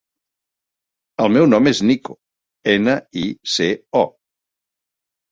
El meu nom és Nico: ena, i, ce, o.